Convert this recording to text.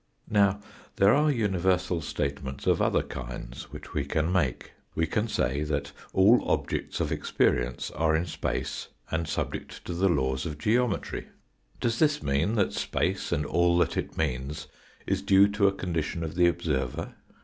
Now there are universal statements of other kinds which we can make. We can say that all objects of experience are in space and subject to the laws of geometry. wr 108 THE FOURTH DIMENSION Does this mean that space and all that it means is due to a condition of the observer